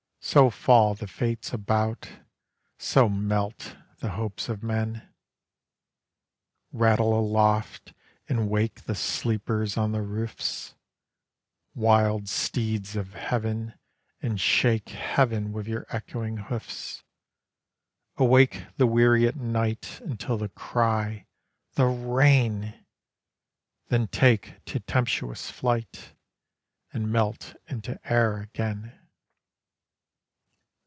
So fall the fates about, So melt the hopes of men. Rattle aloft and wake The sleepers on the roofs, Wild steeds of heav'n, and shake Heav'n with your echoing hoofs. Awake the weary at night Until they cry, "The rain!"— Then take to tempestuous flight And melt into air again.